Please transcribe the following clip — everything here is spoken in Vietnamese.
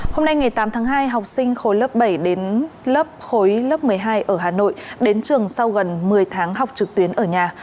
hôm nay ngày tám tháng hai học sinh khối lớp bảy đến lớp khối lớp một mươi hai ở hà nội đến trường sau gần một mươi tháng học trực tuyến ở nhà